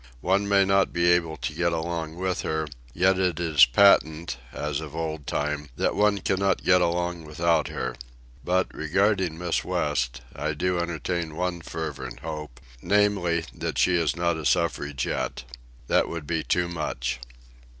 One may not be able to get along with her; yet is it patent, as of old time, that one cannot get along without her. But, regarding Miss West, I do entertain one fervent hope, namely, that she is not a suffragette. That would be too much.